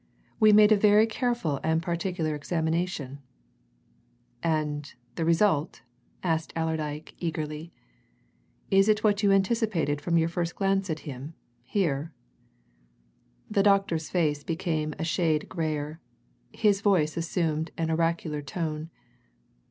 We made a very careful and particular examination." "And the result?" asked Allerdyke eagerly. "Is it what you anticipated from your first glance at him here?" The doctor's face became a shade graver; his voice assumed an oracular tone.